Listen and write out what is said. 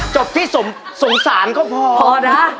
จบที่สงสารก็พอนะฮะ